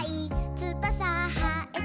「つばさはえても」